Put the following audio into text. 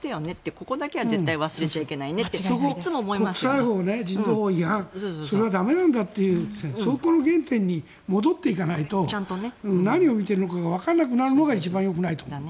ここだけは絶対に忘れちゃいけないよねって国際法、人道法違反それは駄目なんだというそこの原点に戻っていかないと何を見ているのかがわからなくなるのが一番よくないと思います。